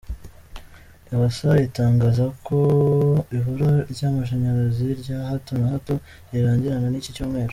Ewasa iratangaza ko ibura ry’amashanyarazi rya hato na hato rirangirana n’icyi cyumweru